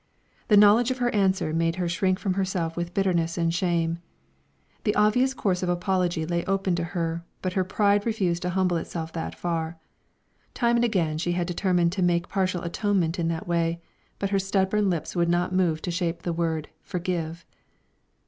The knowledge of her answer made her shrink from herself with bitterness and shame. The obvious course of apology lay open to her, but her pride refused to humble itself that far. Time and time again she had determined to make partial atonement in that way, but her stubborn lips would not move to shape the word "forgive."